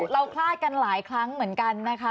คลาดกันหลายครั้งเหมือนกันนะคะ